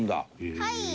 はい。